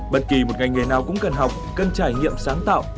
bất kỳ một ngành nghề nào cũng cần học cần trải nghiệm sáng tạo